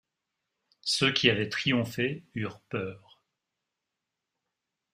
Ceux qui avaient triomphé eurent peur.